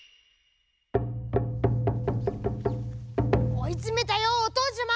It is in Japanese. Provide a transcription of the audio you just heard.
おいつめたよおとうちゃま！